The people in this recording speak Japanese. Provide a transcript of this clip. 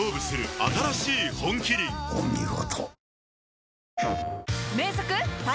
お見事。